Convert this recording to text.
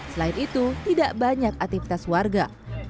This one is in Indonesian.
selain itu tidak banyak aktivitas warga